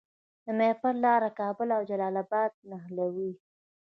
د ماهیپر لاره کابل او جلال اباد نښلوي